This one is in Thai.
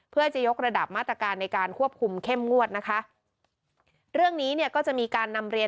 เพื่อจะยกระดับมาตรการในการควบคุมเข้มงวดนะคะเรื่องนี้เนี่ยก็จะมีการนำเรียน